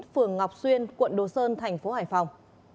phường ngọc xuyên quận đồ sơn thành phố hải phòng